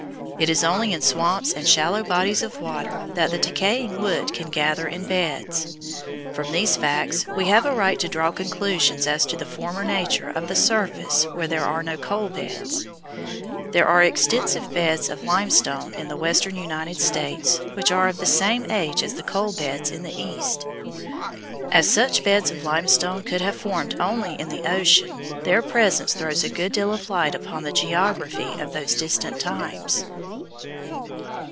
It is only in swamps and shallow bodies of water that the decaying wood can gather in beds. From these facts we have a right to draw conclusions as to the former nature of the surface where there are no coal beds. There are extensive beds of limestone in the western United States which are of the same age as the coal beds in the east. As such beds of limestone could have formed only in the ocean, their presence throws a good deal of light upon the geography of those distant times.